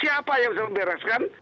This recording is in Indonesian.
siapa yang bisa bereskan